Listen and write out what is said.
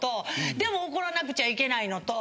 でも怒らなくちゃいけないのと。